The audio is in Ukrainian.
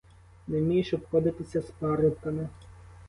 Не вмієш обходитися з парубками.